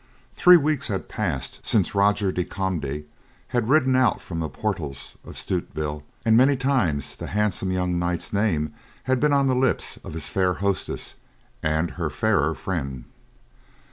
Three weeks had passed since Roger de Conde had ridden out from the portals of Stutevill and many times the handsome young knight's name had been on the lips of his fair hostess and her fairer friend.